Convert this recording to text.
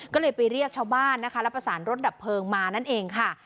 ก็เลยไปเรียกชาวบ้านนะคะแล้วประสานรถดับเพลิงมานั่นเองค่ะ